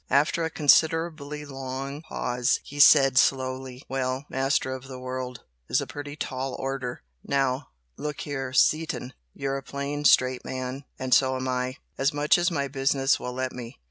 After a considerably long pause he said, slowly "Well, 'master of the world' is a pretty tall order! Now, look here, Seaton you're a plain, straight man, and so am I, as much as my business will let me.